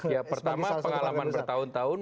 ya pertama pengalaman bertahun tahun